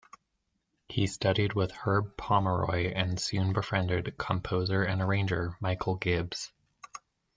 He studied with Herb Pomeroy and soon befriended composer and arranger Michael Gibbs.